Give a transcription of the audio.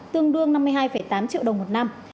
tương đương năm mươi hai tám triệu đồng một năm